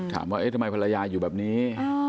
ถามว่าเอ๊ะทำไมภรรยาอยู่แบบนี้